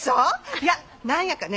いや何やかね